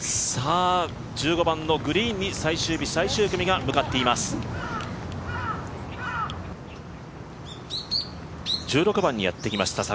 １５番のグリーンに最終日最終組が向かっています。